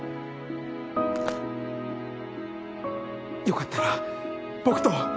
よかったら僕と。